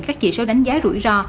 các chỉ số đánh giá rủi ro